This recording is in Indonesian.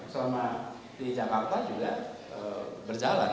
selama di jakarta juga berjalan